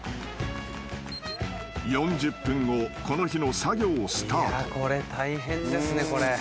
［４０分後この日の作業スタート］